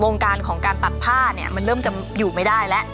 การของการตัดผ้าเนี่ยมันเริ่มจะอยู่ไม่ได้แล้ว